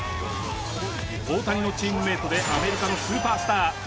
大谷のチームメートでアメリカのスーパースタート